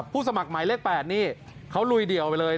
สมัครหมายเลข๘นี่เขาลุยเดี่ยวไปเลย